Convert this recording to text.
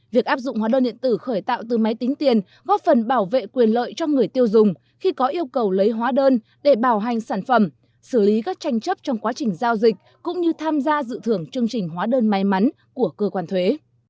việc áp dụng hóa đơn điện tử khởi tạo từ máy tính tiền góp phần bảo vệ quyền lợi cho người tiêu dùng khi có yêu cầu lấy hóa đơn để bảo hành sản phẩm xử lý các tranh chấp trong quá trình giao dịch cũng như tham gia dự thưởng chương trình hóa đơn may mắn của cơ quan thuế